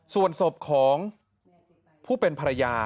ส่วนศพของผู้เป็นภรรยา